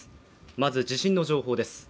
まず地震の情報です。